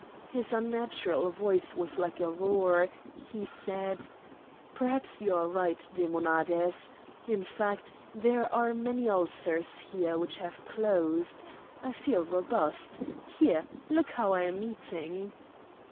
His unnatural voice was like a roar; he said: "Perhaps you are right, Demonades. In fact there are many ulcers here which have closed. I feel robust. Here! look how I am eating!"